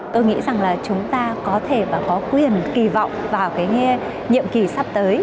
tôi nghĩ rằng là chúng ta có thể có quyền kỳ vọng vào cái nhiệm kỳ sắp tới